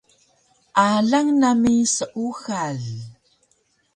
Alang nami seuxal